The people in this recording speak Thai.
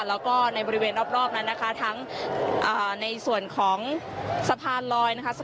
แล้วก็ในบริเวณรอบนั้นนะคะทั้งในส่วนของสะพานลอยนะคะ